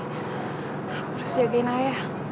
aku harus jagain ayah